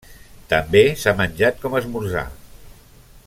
També s'ha menjat com esmorzar.